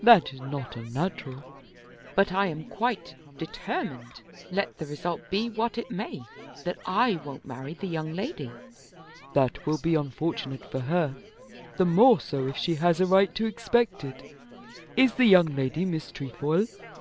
"That is not unnatural." "But I am quite determined, let the result be what it may, that I won't marry the young lady." "That will be unfortunate for her, and the more so if she has a right to expect it. Is the young lady Miss Trefoil?"